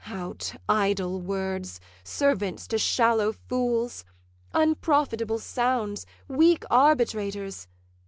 'Out, idle words, servants to shallow fools! Unprofitable sounds, weak arbitrators!